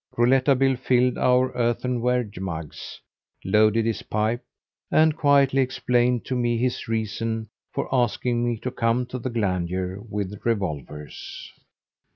Rouletabille filled our earthenware mugs, loaded his pipe, and quietly explained to me his reason for asking me to come to the Glandier with revolvers.